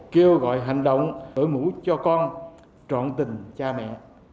kêu gọi hành động đổi mũ cho con trọn tình cha mẹ